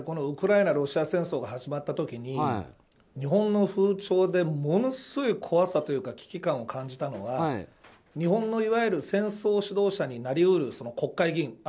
ウクライナ・ロシア戦争が始まった時に日本の風潮でものすごい怖さというか危機感を感じたのは日本のいわゆる戦争指導者になり得る国会議員。